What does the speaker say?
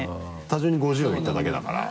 単純に５０音言っただけだから。